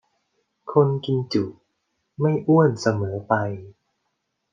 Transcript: คนกินจุไม่อ้วนเสมอไป